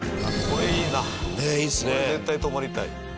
これ絶対泊まりたい。